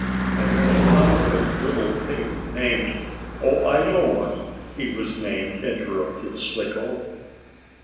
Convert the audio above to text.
I met a comical little pig named " "Oh, I know what he was named!" interrupted Slicko.